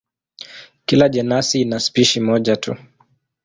Kila jenasi ina spishi moja tu.